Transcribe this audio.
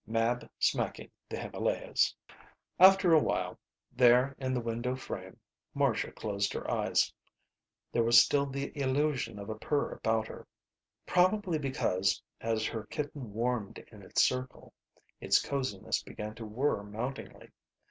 Mab smacking the Himalayas. After a while, there in the window frame, Marcia closed her eyes. There was still the illusion of a purr about her. Probably because, as her kitten warmed in its circle, its coziness began to whir mountingly.